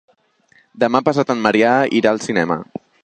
Demà passat en Maria irà al cinema.